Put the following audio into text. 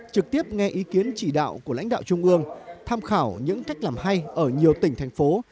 trực tiếp nghe ý kiến chỉ đạo của lãnh đạo trung ương tham khảo những cách làm hay ở nhiều tỉnh thành phố